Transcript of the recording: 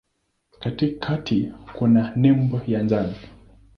Katikati kuna nembo ya njano.